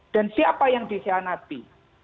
dan siapa yang dikhianati